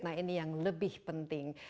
nah ini yang lebih penting